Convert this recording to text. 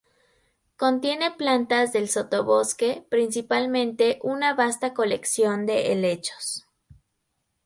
Contiene plantas del sotobosque, principalmente una vasta colección de helechos.